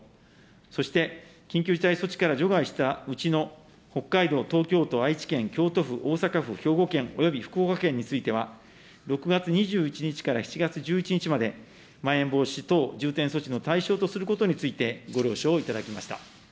そして、緊急事態措置から除外したうちの北海道、東京都、愛知県、京都府、大阪府、兵庫県および福岡県については、６月２１日から７月１１日まで、まん延防止等重点措置の対象とすることについてご了承をいただきました。